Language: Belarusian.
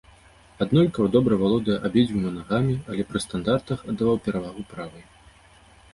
Аднолькава добра валодае абедзвюма нагамі, але пры стандартах аддаваў перавагу правай.